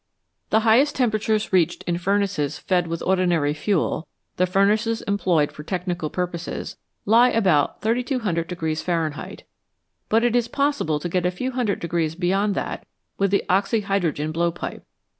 The highest temperatures reached in furnaces fed with ordinary fuel the furnaces employed for technical pur poses lie about 3200 Fahrenheit, but it is possible to get a few hundred degrees beyond that with the oxy hydrogen blowpipe.